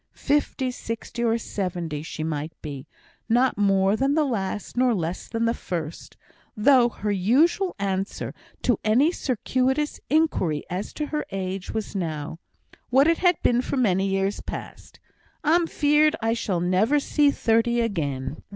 Fifty, sixty, or seventy, she might be not more than the last, not less than the first though her usual answer to any circuitous inquiry as to her age was now (what it had been for many years past), "I'm feared I shall never see thirty again."